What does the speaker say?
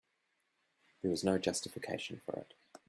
There was no justification for it.